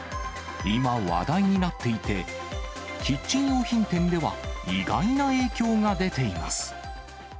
今話題になっていて、キッチン用品店では、意外な影響が出ています。